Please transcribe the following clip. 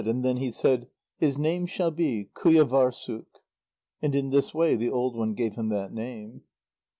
And then he said: "His name shall be Qujâvârssuk!" And in this way the old one gave him that name.